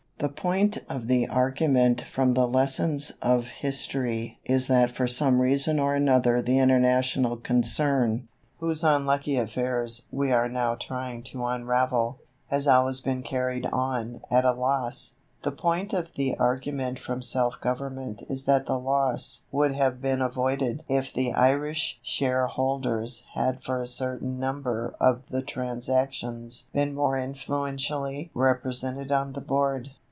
The point of the argument from the lessons of History is that for some reason or another the international concern, whose unlucky affairs we are now trying to unravel, has always been carried on at a loss: the point of the argument from Self government is that the loss would have been avoided if the Irish shareholders had for a certain number of the transactions been more influentially represented on the Board.